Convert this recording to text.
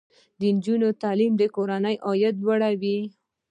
د نجونو تعلیم د کورنۍ عاید لوړوي.